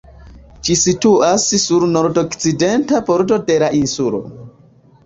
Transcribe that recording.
Ĝi situas sur nordokcidenta bordo de la insulo.